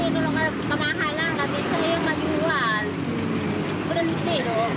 kenapa bukoh gak pake yang kemasan bu